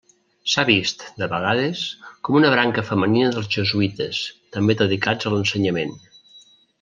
S'ha vist, de vegades, com una branca femenina dels jesuïtes, també dedicats a l'ensenyament.